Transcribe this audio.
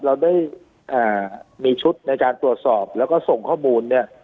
เราได้มีชุดในการตรวจสอบแล้วก็ส่งข้อมูลเนี่ย